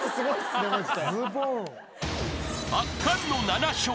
［圧巻の７笑。